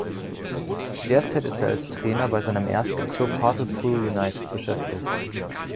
Derzeit ist er als Trainer bei seinem ersten Club Hartlepool United beschäftigt.